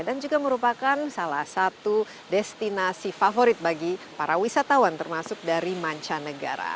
dan juga merupakan salah satu destinasi favorit bagi para wisatawan termasuk dari mancanegara